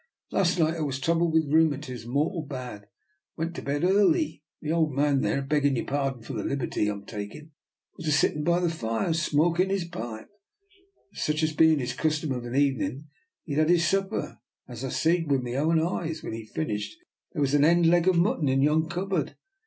" Last night I was troubled with rheumatiz mortal bad, and went to bed early. My old man there, beggin' your pardon for the liberty Fm takin', was a sittin' by the fire smokin' his pipe, such bein' his custom of an evening. He had had his supper, and as I se'd with my own eyes when he'd a finished, there was the end of a leg of mutton in yon cupboard.